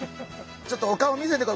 ちょっとお顔見せて。